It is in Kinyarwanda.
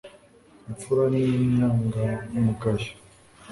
imfura ni inyangamugayo